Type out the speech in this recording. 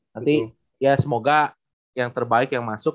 nanti ya semoga yang terbaik yang masuk